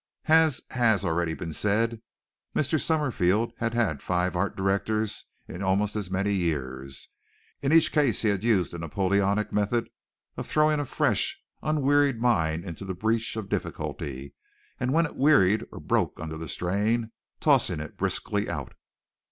As has already been said, Mr. Summerfield had had five art directors in almost as many years. In each case he had used the Napoleonic method of throwing a fresh, unwearied mind into the breach of difficulty, and when it wearied or broke under the strain, tossing it briskly out.